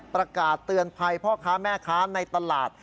ประกาศเตือนภัยพ่อค้าแม่ค้าในตลาด